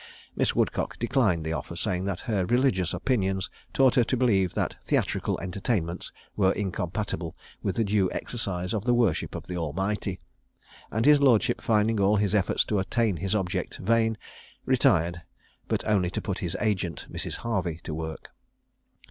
Miss Woodcock declined the offer, saying that her religious opinions taught her to believe that theatrical entertainments were incompatible with the due exercise of the worship of the Almighty; and his lordship finding all his efforts to attain his object vain, retired, but only to put his agent, Mrs Harvey, to work.